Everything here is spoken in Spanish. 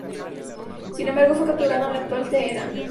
Sin embargo, fue capturado en la actual Teherán.